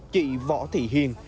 chị võ thị hiền